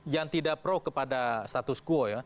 yang tidak pro kepada status quo ya